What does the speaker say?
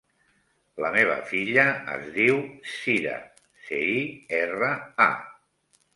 La meva filla es diu Cira: ce, i, erra, a.